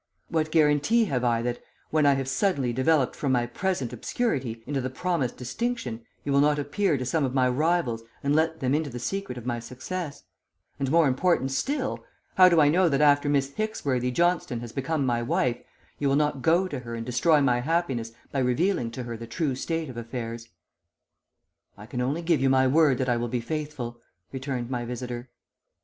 What guarantee have I that, when I have suddenly developed from my present obscurity into the promised distinction, you will not appear to some of my rivals and let them into the secret of my success; and, more important still, how do I know that after Miss Hicksworthy Johnstone has become my wife you will not go to her and destroy my happiness by revealing to her the true state of affairs?' "'I can only give you my word that I will be faithful,' returned my visitor.